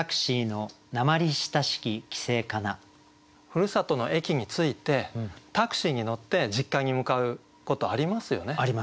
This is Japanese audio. ふるさとの駅に着いてタクシーに乗って実家に向かうことありますよね。